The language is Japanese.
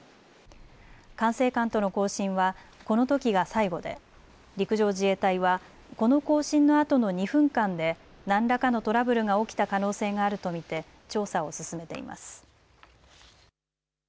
管制官との交信はこのときが最後で陸上自衛隊はこの交信のあとの２分間で何らかのトラブルが起きた可能性があると見て調査を進めています。